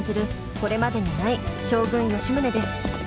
これまでにない将軍・吉宗です。